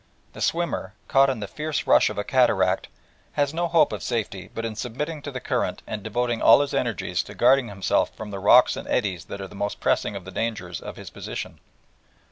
The swimmer, caught in the fierce rush of a cataract, has no hope of safety but in submitting to the current and devoting all his energies to guarding himself from the rocks and eddies that are the most pressing of the dangers of his position.